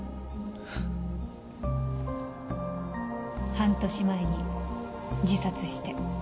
半年前に自殺して。